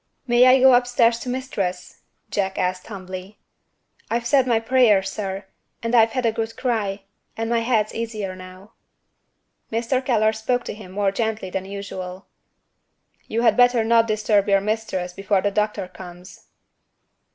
"May I go upstairs to Mistress?" Jack asked humbly. "I've said my prayers, sir, and I've had a good cry and my head's easier now." Mr. Keller spoke to him more gently than usual. "You had better not disturb your mistress before the doctor comes."